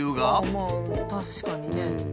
まあ確かにね。